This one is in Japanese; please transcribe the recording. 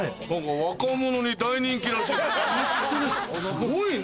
すごいね。